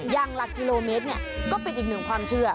ยังหลักกิโลเมตรเนี่ยก็ปิดอีกหนึ่งความเชื่อ